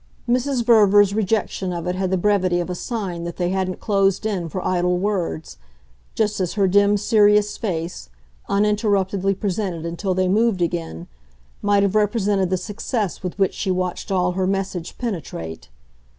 Mrs. Verver's rejection of it had the brevity of a sign that they hadn't closed in for idle words, just as her dim, serious face, uninterruptedly presented until they moved again, might have represented the success with which she watched all her message penetrate.